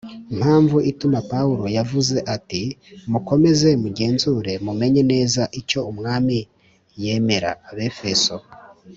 Mpamvu intumwa pawulo yavuze ati mukomeze mugenzure mumenye neza icyo umwami yemera abefeso